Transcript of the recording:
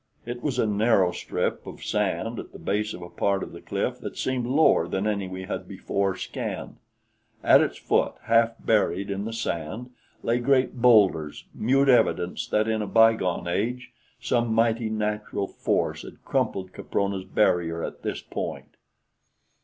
It was a narrow strip of sand at the base of a part of the cliff that seemed lower than any we had before scanned. At its foot, half buried in the sand, lay great boulders, mute evidence that in a bygone age some mighty natural force had crumpled Caprona's barrier at this point.